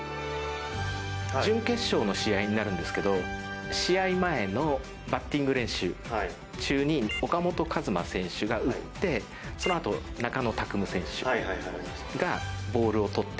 準決勝の試合になるんですけど試合前のバッティング練習中に岡本和真選手が打ってそのあと、中野拓夢選手がボールをとって。